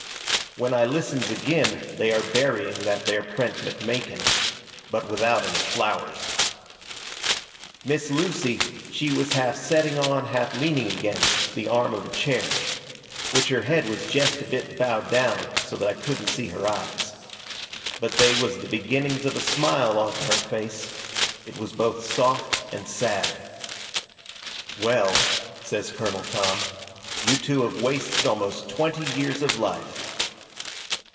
When I listens agin they are burying that there Prent McMakin. But without any flowers. Miss Lucy, she was half setting on, half leaning against, the arm of a chair. Which her head was jest a bit bowed down so that I couldn't see her eyes. But they was the beginnings of a smile onto her face. It was both soft and sad. "Well," says Colonel Tom, "you two have wasted almost twenty years of life."